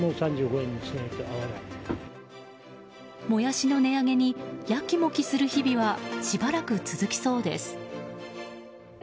モヤシの値上げにやきもきする日々はしばらく続きそうです。